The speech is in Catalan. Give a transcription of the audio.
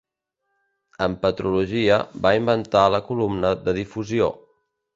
En petrologia va inventar la columna de difusió.